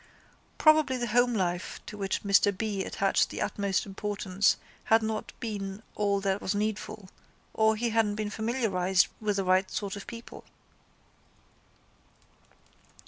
Probably the homelife to which Mr B attached the utmost importance had not been all that was needful or he hadn't been familiarised with the right sort of people.